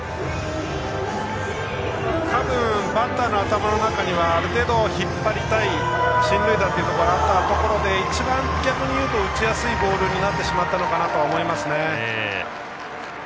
多分バッターの頭の中にはある程度、引っ張りたい進塁打があったところで逆に一番打ちやすいボールになってしまったかなと思います。